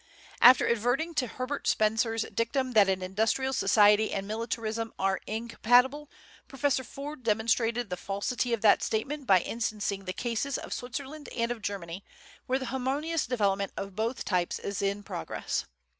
After adverting to Herbert Spencer's dictum that an industrial society and militarism are incompatible, Professor Ford demonstrated the falsity of that statement by instancing the cases of Switzerland and of Germany, where the harmonious development of both types is in progress.